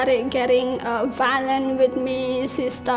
dia mulai mengambil valen dengan saya